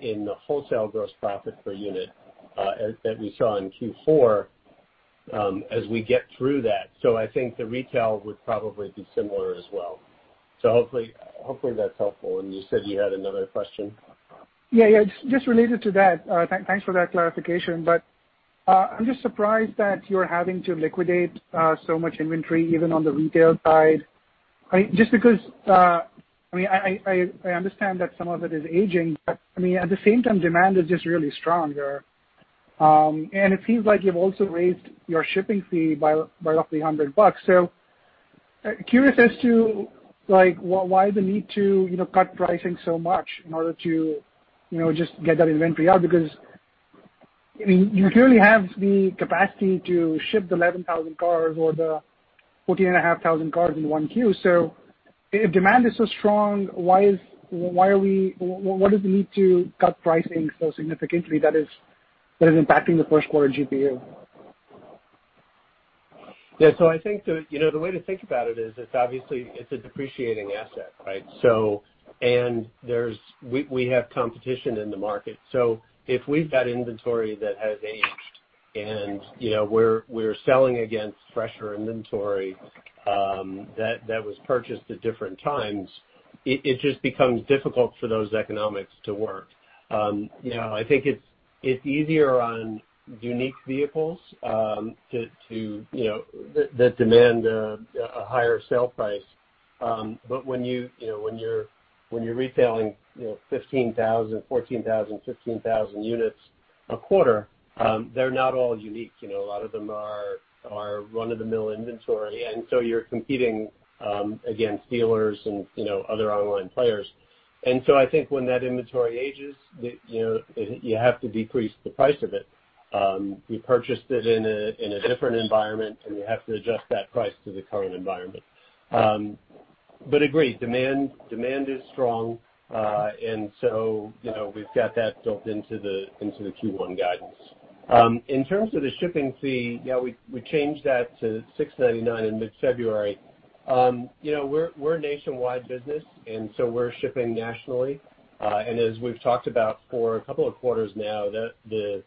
S4: in the wholesale gross profit per unit that we saw in Q4 as we get through that. So I think the retail would probably be similar as well. So hopefully, that's helpful. And you said you had another question.
S10: Yeah. Yeah. Just related to that, thanks for that clarification, but I'm just surprised that you're having to liquidate so much inventory, even on the retail side. I mean, just because I mean, I understand that some of it is aging, but I mean, at the same time, demand is just really strong there, and it seems like you've also raised your shipping fee by roughly $100. So curious as to why the need to cut pricing so much in order to just get that inventory out because you clearly have the capacity to ship the 11,000 cars or the 14,500 cars in 1Q, so if demand is so strong, why are we, what is the need to cut pricing so significantly that is impacting the first quarter GPU?
S4: Yeah, so I think the way to think about it is it's obviously a depreciating asset, right? And we have competition in the market, so if we've got inventory that has aged and we're selling against fresher inventory that was purchased at different times, it just becomes difficult for those economics to work. I think it's easier on unique vehicles that demand a higher sale price, but when you're retailing 15,000, 14,000, 15,000 units a quarter, they're not all unique. A lot of them are run-of-the-mill inventory, and so you're competing against dealers and other online players, and so I think when that inventory ages, you have to decrease the price of it. You purchased it in a different environment, and you have to adjust that price to the current environment, but agreed, demand is strong, and so we've got that built into the Q1 guidance. In terms of the shipping fee, yeah, we changed that to $699 in mid-February. We're a nationwide business, and so we're shipping nationally, and as we've talked about for a couple of quarters now, the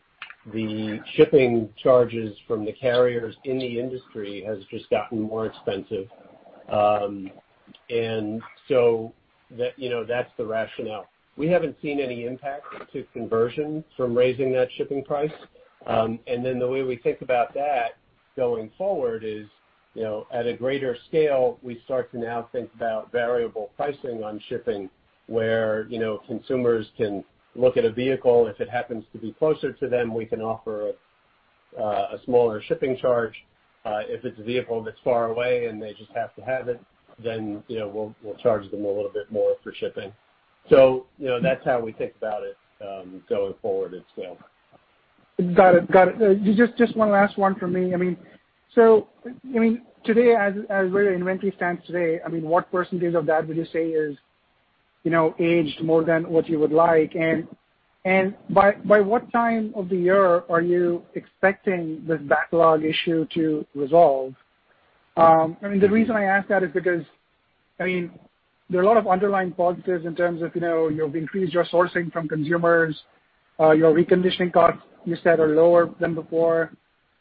S4: shipping charges from the carriers in the industry have just gotten more expensive, and so that's the rationale. We haven't seen any impact to conversion from raising that shipping price, and then the way we think about that going forward is at a greater scale, we start to now think about variable pricing on shipping where consumers can look at a vehicle. If it happens to be closer to them, we can offer a smaller shipping charge. If it's a vehicle that's far away and they just have to have it, then we'll charge them a little bit more for shipping, so that's how we think about it going forward at scale.
S10: Got it. Got it. Just one last one for me. I mean, so I mean, today, as where the inventory stands today, I mean, what percentage of that would you say is aged more than what you would like? And by what time of the year are you expecting this backlog issue to resolve? I mean, the reason I ask that is because, I mean, there are a lot of underlying positives in terms of you've increased your sourcing from consumers. Your reconditioning costs, you said, are lower than before.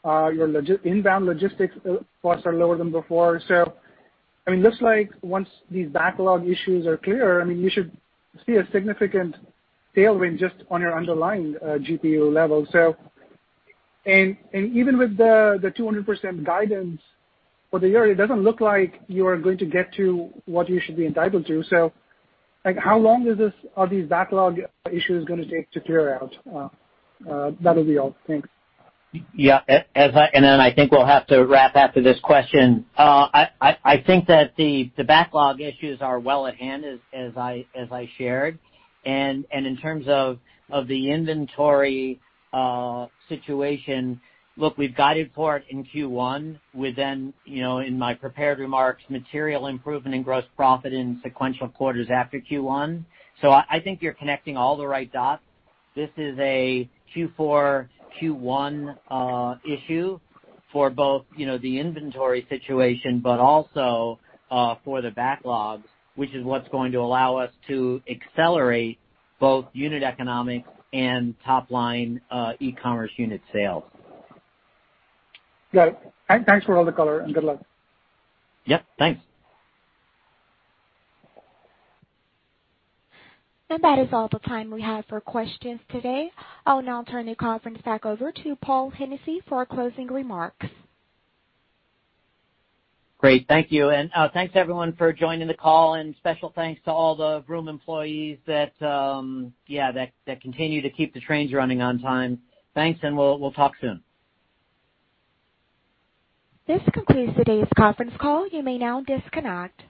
S10: Your inbound logistics costs are lower than before. So I mean, it looks like once these backlog issues are clear, I mean, you should see a significant tailwind just on your underlying GPU level. And even with the 200% guidance for the year, it doesn't look like you are going to get to what you should be entitled to. So how long are these backlog issues going to take to clear out? That'll be all. Thanks.
S3: Yeah. And then I think we'll have to wrap after this question. I think that the backlog issues are well at hand, as I shared. And in terms of the inventory situation, look, we've guided for it in Q1. With then, in my prepared remarks, material improvement in gross profit in sequential quarters after Q1. So I think you're connecting all the right dots. This is a Q4, Q1 issue for both the inventory situation but also for the backlogs, which is what's going to allow us to accelerate both unit economics and top-line e-commerce unit sales.
S10: Got it. Thanks for all the color and good luck.
S3: Yep. Thanks.
S1: That is all the time we have for questions today. I'll now turn the conference back over to Paul Hennessy for closing remarks.
S3: Great. Thank you. And thanks, everyone, for joining the call. And special thanks to all the Vroom employees that continue to keep the trains running on time. Thanks, and we'll talk soon.
S1: This concludes today's conference call. You may now disconnect.